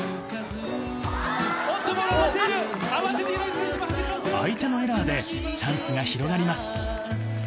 おっと、相手のエラーでチャンスが広がります。